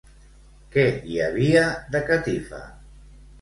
Què hi havia de catifa?